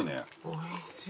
おいしい。